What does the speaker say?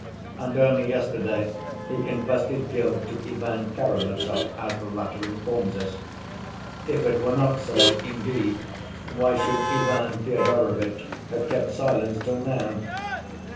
And only yesterday he confessed his guilt to Ivan Karamazov, as the latter informs us. If it were not so, indeed, why should Ivan Fyodorovitch have kept silence till now?